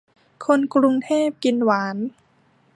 คนกรุงเทพกินหวาน